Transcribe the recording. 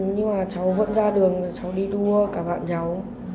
nhưng mà cháu vẫn ra đường cháu đi đua cả bạn cháu